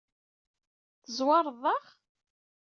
Tezwareḍ-aɣ?